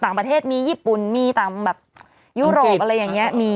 ต่างประเทศมีญี่ปุ่นมีต่างแบบยุโรปอะไรอย่างนี้มี